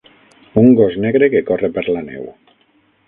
Un gos negre que corre per la neu.